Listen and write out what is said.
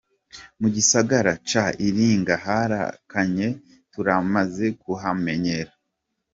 Mu gisagara ca Iringa harakanye, turamaze kuhamenyera.